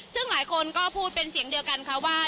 ซึ่งหลายคนก็พูดเป็นเสียงเดียวกันค่ะว่า